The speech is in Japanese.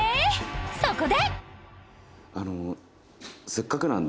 そこで